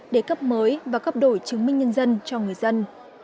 để cấp mới và cấp đổi chứng minh nhân dân cho người dân